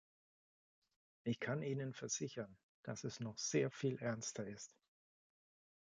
Ich kann Ihnen versichern, dass es noch sehr viel ernster ist.